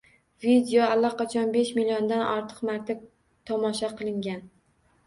Video allaqachon besh milliondan ortiq marta tomosha qilingan.